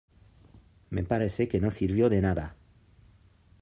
me parece que no sirvió de nada